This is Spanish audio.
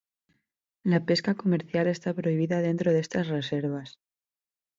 La pesca comercial está prohibida dentro de estas reservas.